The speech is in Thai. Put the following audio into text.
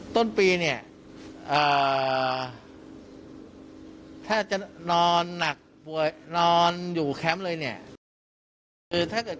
ต้นปีเนี่ยถ้าจะนอนหนักป่วยนอนอยู่แคมป์เลยเนี่ย